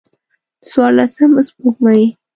د څوارلسم سپوږمۍ